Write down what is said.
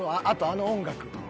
あとあの音楽。